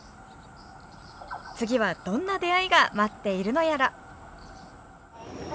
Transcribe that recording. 次はどんな出会いが待っているのやら。